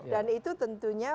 dan itu tentunya